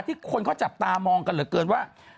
ที่คนเขาจับตามองกันเหลือเกินว่า